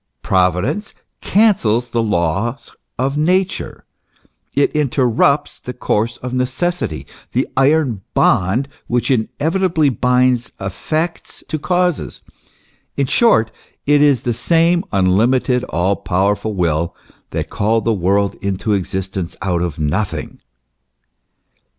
Provi dence cancels the laws of Nature ; it interrupts the course of necessity, the iron bond which inevitably binds effects to causes ; in short, it is the same unlimited, all powerful will, that called the world into existence out of nothing.